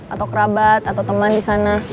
atau kerabat atau teman di sana